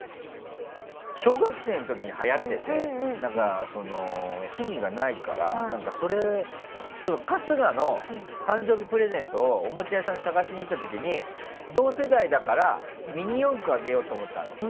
小学生の時にはやってて趣味がないから春日の誕生日プレゼントをおもちゃ屋さんに探しに行った時に同世代だからミニ四駆をあげようと思ってたの。